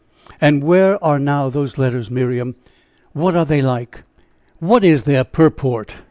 "And where are now those letters, Miriam? What are they like? What is their purport?